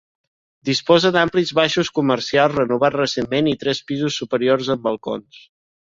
Disposa d'amplis baixos comercials, renovats recentment, i tres pisos superiors amb balcons.